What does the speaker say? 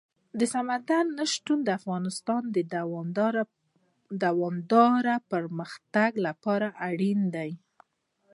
سمندر نه شتون د افغانستان د دوامداره پرمختګ لپاره اړین دي.